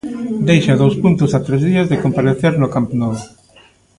Deixa dous puntos a tres días de comparecer no Camp Nou.